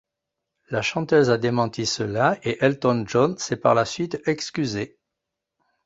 La chanteuse a démenti cela et Elton John s'est par la suite excusé.